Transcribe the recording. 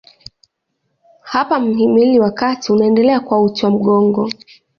Hapa mhimili wa kati unaendelea kuwa uti wa mgongo.